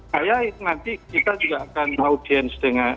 saya nanti kita juga akan audience